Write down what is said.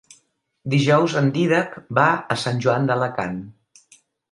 Dijous en Dídac va a Sant Joan d'Alacant.